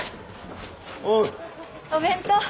お弁当。